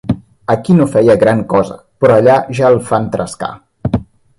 Aquí no feia gran cosa, però allà ja el fan trescar!